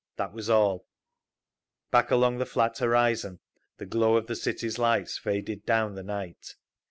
That was all. Back along the flat horizon the glow of the city's lights faded down the night.